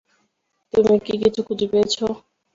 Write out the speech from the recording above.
তুমি কি কিছু খুঁজে পেয়েছো?